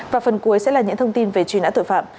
và phần cuối sẽ là những thông tin về truy nã tội phạm